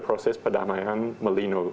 proses perdamaian melinu